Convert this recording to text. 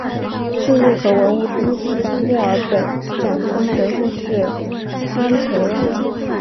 记录和文物第一次在墨尔本展出随后是堪培拉。